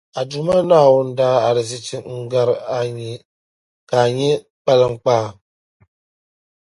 A Duuma Naawuni daa arizichi n gari, ka nyɛ kpaliŋkpaa.